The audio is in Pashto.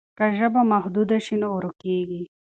که ژبه محدوده شي نو ورکېږي.